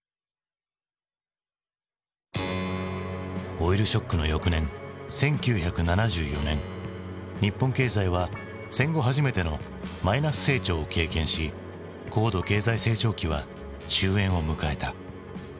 オイルショックの翌年１９７４年日本経済は戦後初めてのマイナス成長を経験し高度経済成長期は終えんを迎えた。